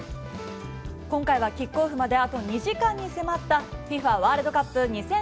今回はキックオフまであと２時間に迫ったＦＩＦＡワールドカップ２０２２